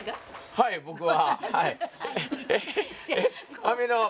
はい僕は。